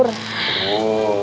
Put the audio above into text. udah enak pak